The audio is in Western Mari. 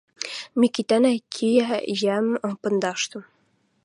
Микитӓнӓ киӓ йӓм пындашты